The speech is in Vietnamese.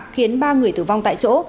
khiến ba người tử vong tại chỗ